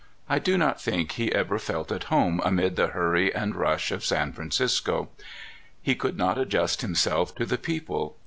I d" not think he ever felt at home amid the hurry and rush of San Francisco. Ho could not adjust himself to the people.